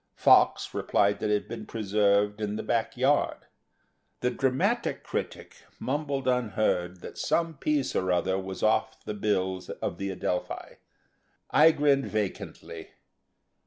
Fox replied that it had been preserved in the back yard. The dramatic critic mumbled unheard that some piece or other was off the bills of the Adelphi. I grinned vacantly.